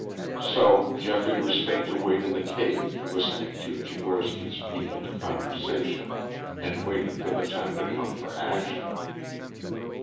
So Geoffrey was fain to wait in the cave listening to Tchigorsky's piquant conversation, and waiting for the time to come for action.